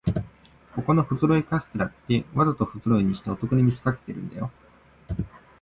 ここのふぞろいカステラって、わざとふぞろいにしてお得に見せかけてるんだよ